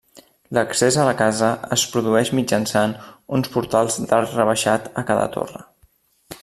L'accés a la casa es produeix mitjançant uns portals d'arc rebaixat a cada torre.